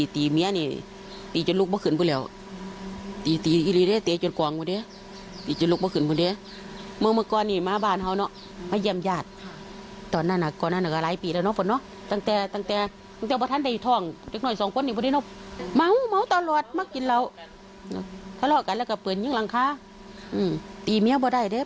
ทราบกันแหละก็เปิดยิงร้างคาอืมตีแมวป่าดได้ด้วย